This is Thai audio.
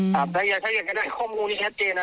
ถ้าอยากจะได้ข้อมูลนี้ครับเจน